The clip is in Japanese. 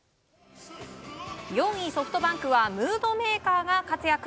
４位ソフトバンクはムードメーカーが活躍。